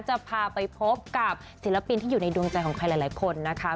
จะพาไปพบกับศิลปินที่อยู่ในดวงใจของใครหลายคนนะคะ